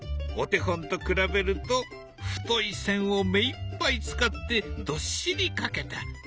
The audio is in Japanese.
お手本と比べると太い線を目いっぱい使ってどっしり描けた。